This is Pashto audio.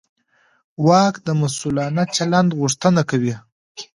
واک د مسوولانه چلند غوښتنه کوي.